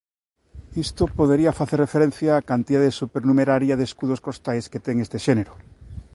Isto podería facer referencia á cantidade supernumeraria de escudos costais que ten este xénero.